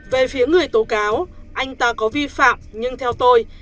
về phía người tố cáo anh ta có vi phạm nhưng theo tôi